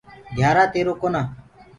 گھيآرآ تيروُ ڪونآ۔